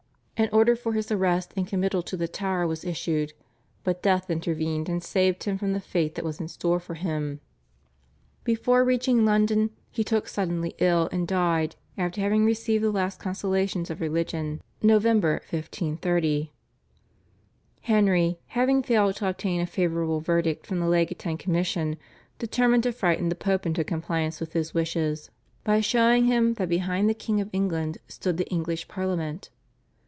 An order for his arrest and committal to the Tower was issued, but death intervened and saved him from the fate that was in store for him. Before reaching London he took suddenly ill, and died after having received the last consolations of religion (Nov. 1530). Henry, having failed to obtain a favourable verdict from the legatine commission, determined to frighten the Pope into compliance with his wishes by showing him that behind the King of England stood the English Parliament.